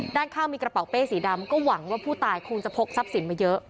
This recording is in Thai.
ด้านข้างมีกระเป๋าเป้สีดำก็หวังว่าผู้ตายคงจะพกทรัพย์สินมาเยอะ